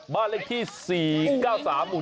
บ้านเลขที่๔๙๓หมู่๔